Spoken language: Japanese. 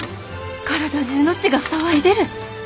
体中の血が騒いでる。